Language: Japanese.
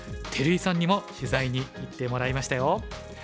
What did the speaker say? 照井さんにも取材に行ってもらいましたよ。